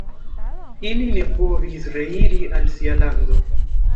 Ili ne povis reiri al sia lando.